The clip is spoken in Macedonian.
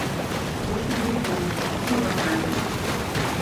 Дошол дури до овде сигурно знае нешто.